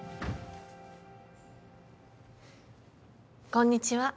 こんにちは。